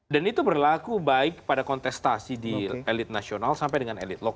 dan itu berlaku baik pada kontestasi di elit nasional sampai dengan elit lokal